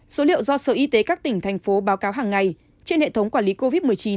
số liệu do sở y tế các tỉnh thành phố báo cáo hàng ngày trên hệ thống quản lý covid một mươi chín